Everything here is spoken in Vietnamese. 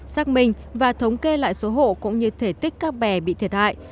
xác minh và thống kê lại số hộ cũng như thể tích các bè bị thiệt hại